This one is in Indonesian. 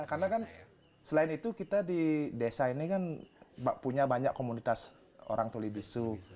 karena kan selain itu kita di desa ini kan punya banyak komunitas orang tuli bisu